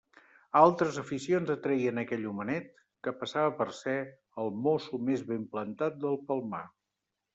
Altres aficions atreien aquell homenet, que passava per ser el mosso més ben plantat del Palmar.